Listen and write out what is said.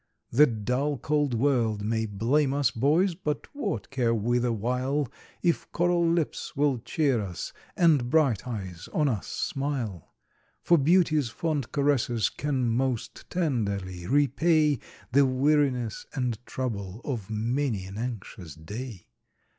The dull, cold world may blame us, boys! but what care we the while, If coral lips will cheer us, and bright eyes on us smile? For beauty's fond caresses can most tenderly repay The weariness and trouble of many an anxious day.